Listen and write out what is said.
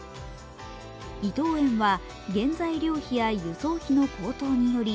伊藤園は原材料費や輸送費の高騰により